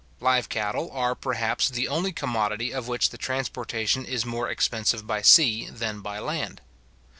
Live cattle are, perhaps, the only commodity of which the transportation is more expensive by sea than by land.